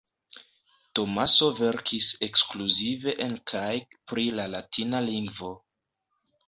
Tomaso verkis ekskluzive en kaj pri la latina lingvo.